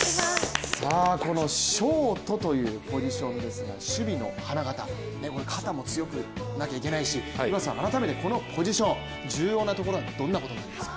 このショートというポジションですが守備の花形、これ、肩も強くなければいけないし改めて、このポジション重要なところはどんなところになりますか。